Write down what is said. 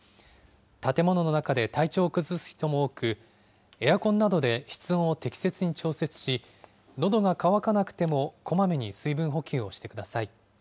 建物の中で体調を崩す人も多く、エアコンなどで室温を適切に調節し、のどが渇かなくても、こまめに水分補給をしてください。